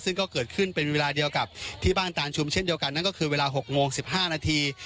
ซึ่งก็เกิดขึ้นเป็นเวลาเดียวกับที่บ้านตานชุมเช่นเดียวกันนั่นก็คือเวลา๖โมง๑๕นาที